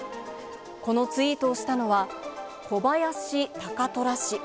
このツイートをしたのは、小林貴虎氏。